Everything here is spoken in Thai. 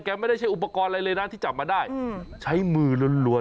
ไม่ได้ใช้อุปกรณ์อะไรเลยนะที่จับมาได้ใช้มือล้วน